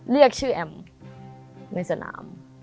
เรียกชื่อแอมในสนาม